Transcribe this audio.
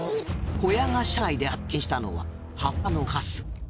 小屋が車内で発見したのは葉っぱのカス。